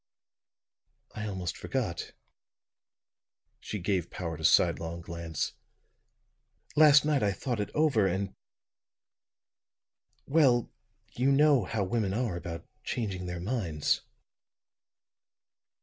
"I almost forgot." She gave Powart a sidelong glance. "Last night I thought it over, and Well, you know how women are about changing their minds."